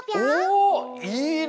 おいいね！